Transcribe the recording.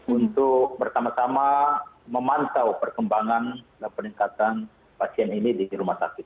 untuk bertama tama memantau perkembangan dan peningkatan pasien ini di rumah sakit